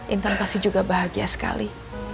intan pasti juga bahagia sekali